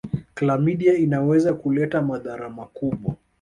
klamidia inaweza kuleta madhara makubwa